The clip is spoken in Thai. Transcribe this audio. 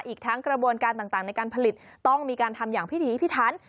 อีกทั้งกระบวนการต่างในการผลิตต้องมีการทำอย่างพิธีพิทัน